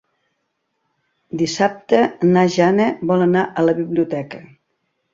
Dissabte na Jana vol anar a la biblioteca.